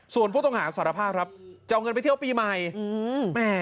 ส่วนผู้ต้องหาสารภาพครับจะเอาเงินไปเที่ยวปีใหม่อืมแม่